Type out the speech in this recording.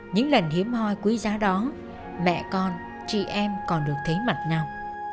những lần hiếm hoi quý giá đó mẹ con chị em còn được thấy mặt nhau